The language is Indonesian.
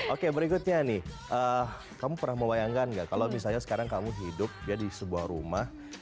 oke berikutnya nih kamu pernah membayangkan nggak kalau misalnya sekarang kamu hidup ya di sebuah rumah